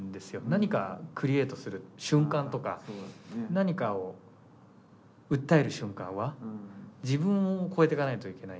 何かクリエイトする瞬間とか何かを訴える瞬間は自分を超えていかないといけないんで。